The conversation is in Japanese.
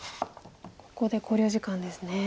ここで考慮時間ですね。